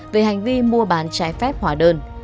về hành vi mua bán trái phép hỏa đơn